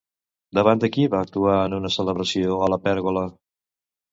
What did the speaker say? Davant de qui va actuar en una celebració a la Pèrgola?